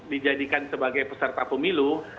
dijadikan sebagai peserta pemilu